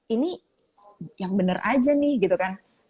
ini yang bener aja nih gitu kan